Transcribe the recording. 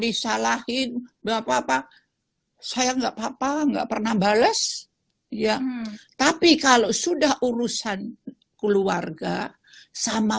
disalahin bapak bapak saya nggak papa nggak pernah bales yang tapi kalau sudah urusan keluarga sama